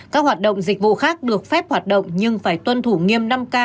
các hoạt động dịch vụ khác được phép hoạt động nhưng phải tuân thủ nghiêm năm k